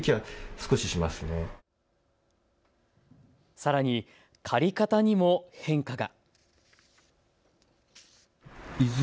さらに借り方にも変化が。